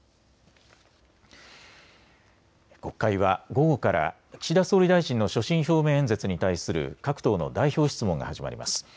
国会は午後から岸田総理大臣の所信表明演説に対する各党の代表質問が始まります。